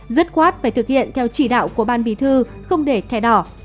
dứt khoát phải thực hiện theo chỉ đạo của ban bí thư không để thẻ đỏ